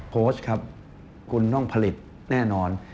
โพสต์ครับคุณต้องผลิตแน่นอน